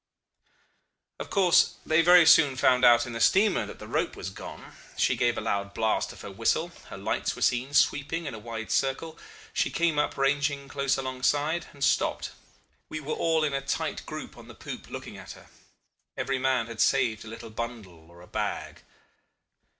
"Of course they very soon found out in the steamer that the rope was gone. She gave a loud blast of her whistle, her lights were seen sweeping in a wide circle, she came up ranging close alongside, and stopped. We were all in a tight group on the poop looking at her. Every man had saved a little bundle or a bag.